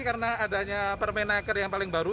karena adanya permenaker yang paling baru